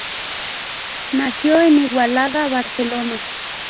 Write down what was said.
Nació en Igualada, Barcelona.